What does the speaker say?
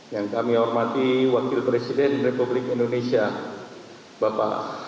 yang kami hormati wakil presiden republik indonesia bapak